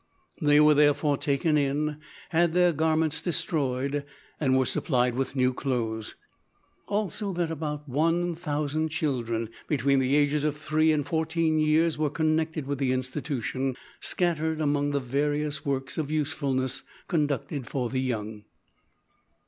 They were therefore taken in, had their garments destroyed, and were supplied with new clothes. Also, that about 1000 children between the ages of three and fourteen years were connected with the Institution scattered among the various works of usefulness conducted for the young.